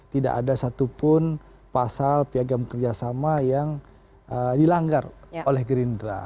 tidak ada satupun pasal piagam kerjasama yang dilanggar oleh gerindra